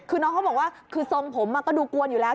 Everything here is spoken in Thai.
คือน้องเขาบอกว่าคือทรงผมก็ดูกวนอยู่แล้ว